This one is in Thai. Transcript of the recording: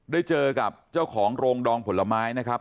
ได้เจอกับเจ้าของโรงดองผลไม้นะครับ